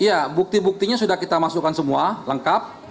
iya bukti buktinya sudah kita masukkan semua lengkap